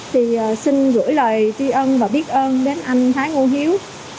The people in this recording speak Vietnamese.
thì xin gửi lời tư ơn và biết ơn đến anh thái ngô hiếu